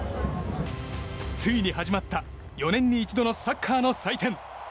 ついに始まった４年に一度のサッカーの祭典。